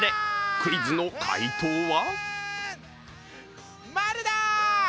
クイズの解答は？